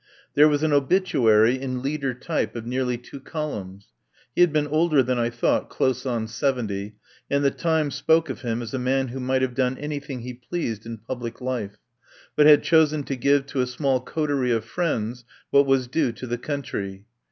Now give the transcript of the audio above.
There was an obituary in "leader" type of nearly two col umns. He had been older than I thought — close on seventy — and The Times spoke of him as a man who might have done anything he pleased in public life, but had chosen to give to a small coterie of friends what was due to the country.